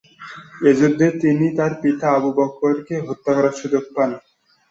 এ যুদ্ধে তিনি তাঁর পিতা আবু বকরকে হত্যা করার সুযোগ পান।